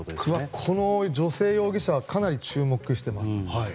この女性容疑者はかなり注目しています。